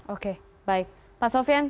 oke baik pak sofian